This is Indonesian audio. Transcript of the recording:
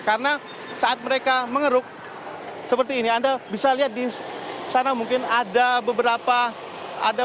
karena saat mereka mengeruk seperti ini anda bisa lihat disana mungkin ada beberapa penutup yang berada di tengah tengah